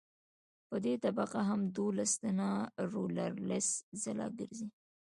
په دې طبقه هم دولس ټنه رولر لس ځله ګرځي